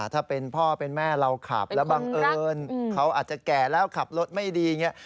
ถ้าเป็นพ่อเป็นแม่เราขับแล้วบังเอิญเขาอาจจะแก่แล้วขับรถไม่ดีอย่างนี้